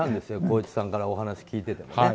滉一さんからお話を聞いててもね。